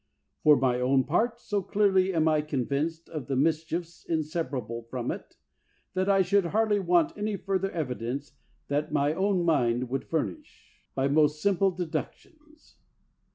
For my own part, so clearly am I convinced of the mischiefs inseparable from it, that I should hardly want any further evidence thaa my own mind would furnish, by the most simple de ductions.